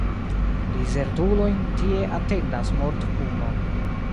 Dizertulojn tie atendas mortpuno.